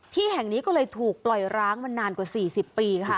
ที่แห่งนี้ก็เลยถูกปล่อยร้างมานานกว่า๔๐ปีค่ะ